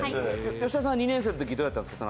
吉田さんは２年生の時どうだったんですか？